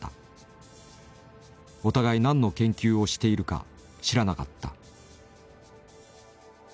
お互い何の研究をしているか知らなかった。